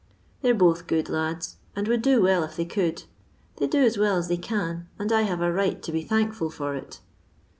They 're both good lads, and would do well if they could ; they do as well as they cao, and I have a right to be thankful for it."